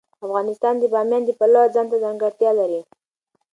افغانستان د بامیان د پلوه ځانته ځانګړتیا لري.